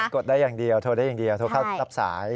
กดได้อย่างเดียวโทรได้อย่างเดียวโทรเข้ารับสาย